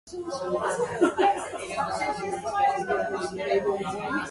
The closest towns are Aberfoyle and Callander.